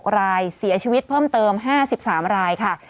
รายเสียชีวิตเพิ่มเติม๕๓รายค่ะ